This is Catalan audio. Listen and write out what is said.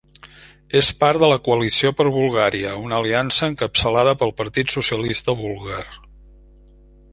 És part de la Coalició per Bulgària, una aliança encapçalada pel Partit Socialista Búlgar.